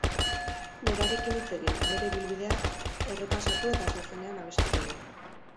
Berarekin hitz egin, bere ibilbidea errepasatu eta zuzenean abestuko du.